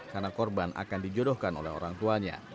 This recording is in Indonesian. karena korban akan dijodohkan oleh orang tuanya